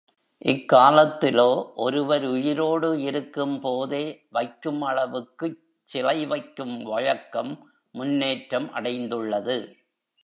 இக்காலத்திலோ, ஒருவர் உயிரோடு இருக்கும்போதே வைக்கும் அளவுக்குச் சிலை வைக்கும் வழக்கம் முன்னேற்றம் அடைந்துள்ளது.